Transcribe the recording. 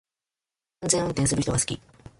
安全運転する人が好き